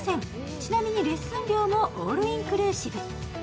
ちなみにレッスン料もオールインクルーシブ。